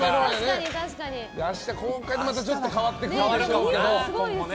明日公開でまたちょっと変わってくるでしょうね。